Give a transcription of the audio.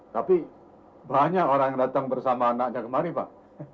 tapi banyak orang datang bersama anaknya kemari pak